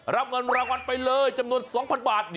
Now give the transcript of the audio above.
รับเงินรางวัลไปเลยจำนวน๒๐๐บาท